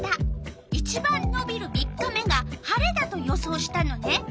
いちばんのびる３日目が晴れだと予想したのね。